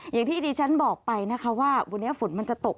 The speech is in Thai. อย่างที่ดิฉันบอกไปนะคะว่าวันนี้ฝนมันจะตก